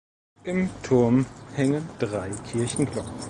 Im Turm hängen drei Kirchenglocken.